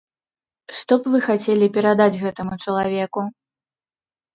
Што б вы хацелі перадаць гэтаму чалавеку?